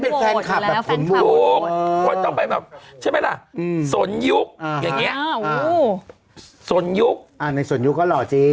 นั่นก็ต้องเป็นแบบเพื่อนบทเพื่อนบท